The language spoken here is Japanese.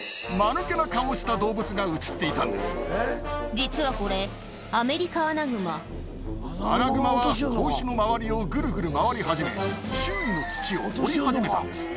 実はこれアナグマは子牛の周りをぐるぐる回り始め周囲の土を掘り始めたんです。